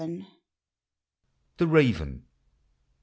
THE RAVEN.